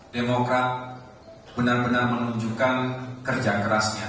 demokrat benar benar menunjukkan kerja kerasnya